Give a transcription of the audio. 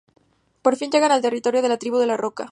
Por fin llegan al territorio de la Tribu de la Roca.